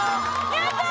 やったー！